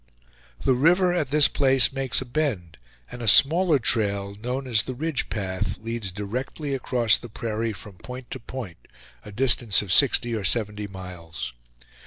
The river at this place makes a bend; and a smaller trail, known as the Ridge path, leads directly across the prairie from point to point, a distance of sixty or seventy miles.